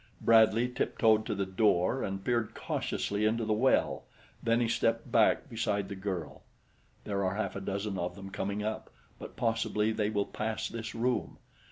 Bradley tiptoed to the door and peered cautiously into the well; then he stepped back beside the girl. "There are half a dozen of them coming up; but possibly they will pass this room."